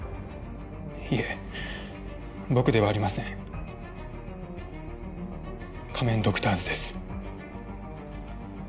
いえ僕ではありません仮面ドクターズです